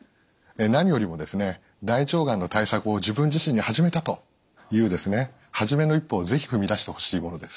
何よりも大腸がんの対策を自分自身で始めたというですね初めの一歩を是非踏み出してほしいものです。